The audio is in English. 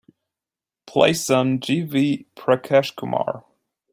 Play some G. V. Prakash Kumar